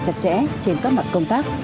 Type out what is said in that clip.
chặt chẽ trên các mặt công tác